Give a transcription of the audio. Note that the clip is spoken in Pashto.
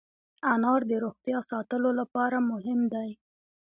انار د روغتیا ساتلو لپاره مهم دی.